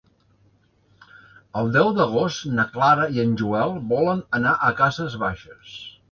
El deu d'agost na Clara i en Joel volen anar a Cases Baixes.